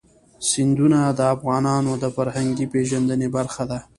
سیندونه د افغانانو د فرهنګي پیژندنې برخه ده.